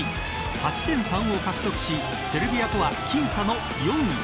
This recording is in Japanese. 勝ち点３を獲得しセルビアとは僅差の４位。